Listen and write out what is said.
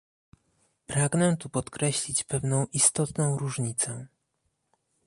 Pragnę tu podkreślić pewną istotną różnicę